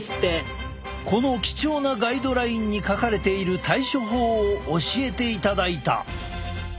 この貴重なガイドラインに書かれている対処法を教えていただいた！